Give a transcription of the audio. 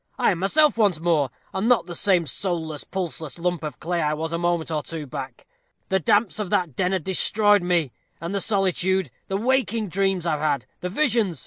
I am myself once more, and not the same soulless, pulseless lump of clay I was a moment or two back. The damps of that den had destroyed me and the solitude the waking dreams I've had the visions!